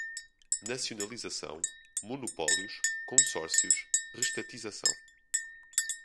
Nacionalização, monopólios, consórcios, reestatização